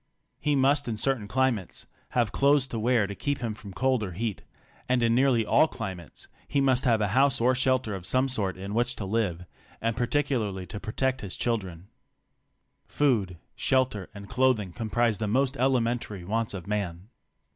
He must in certain climates have clothes to wear to keep him from cold or heat, and in nearly all climates he must have a house or shelter of some sort in which to live, and particularly to protect his children. Food, shelter and clothing comprise the most elementary wants of man.